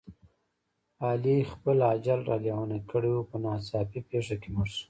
علي خپل اجل را لېونی کړی و، په ناڅاپي پېښه کې مړ شو.